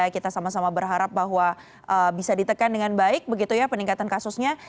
kita sama sama berharap bahwa bisa ditekan dengan baik begitu ya peningkatan kasusnya